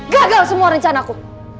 gagal semua rencanaku